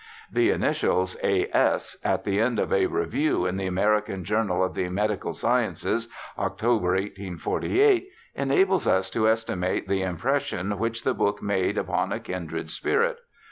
The initials *A. S.' at the end of a review in the American Journal of the Medical Sciences, October, 1848, enables us to estimate the impression which the book made upon a kindred spirit.